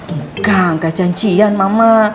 enggak nggak janjian mama